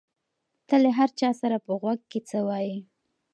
ته له هر چا سره په غوږ کې څه وایې؟